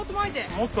もっと？